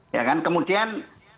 ya kan kemudian